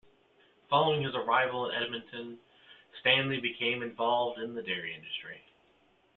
Following his arrival in Edmonton, Stanley became involved in the Dairy industry.